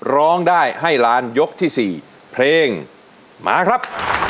ร้องได้ให้ล้านยกที่๔เพลงมาครับ